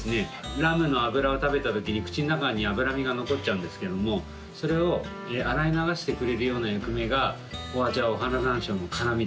ラムの脂を食べたときに口の中に脂味が残っちゃうんですけどもそれを洗い流してくれるような役目がホアジャオ花ざんしょうの辛味ですね。